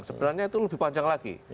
sebenarnya itu lebih panjang lagi